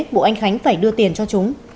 bộ anh khánh phải đưa tiền cho chúng